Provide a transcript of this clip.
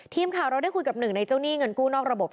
ทีมข่าวเราได้คุยกับหนึ่งในเจ้าหนี้เงินกู้นอกระบบ